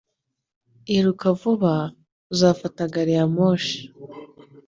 Iruka vuba, uzafata gari ya moshi.